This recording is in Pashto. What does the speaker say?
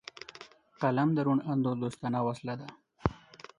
قلم د روڼ اندو دوستانه وسله ده